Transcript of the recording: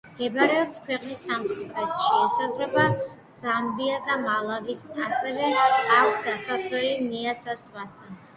მდებარეობს ქვეყნის სამხრეთში, ესაზღვრება ზამბიას და მალავის, ასევე აქვს გასასვლელი ნიასას ტბასთან.